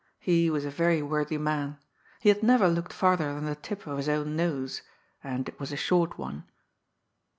He was a very worthy man. He had never looked far ther than the tip of his own nose ; and it was a short one.